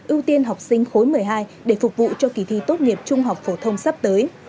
ưu tiên học sinh khối một mươi hai để phục vụ cho kỳ thi tốt nghiệp trung học phổ thông sắp tới